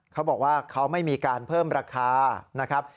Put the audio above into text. เขาบอกว่าเขาไม่มีการเพิ่มราคานะครับ